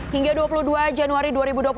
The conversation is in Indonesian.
hingga dua puluh dua januari dua ribu dua puluh satu